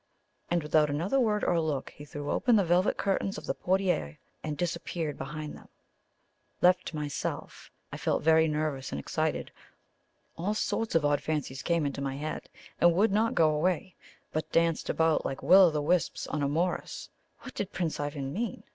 And without another word or look, he threw open the velvet curtains of the portiere, and disappeared behind them. Left to myself, I felt very nervous and excited. All sorts of odd fancies came into my head, and would not go away, but danced about like Will o' the wisps on a morass. What did Prince Ivan mean?